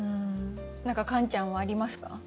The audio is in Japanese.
何かカンちゃんはありますか？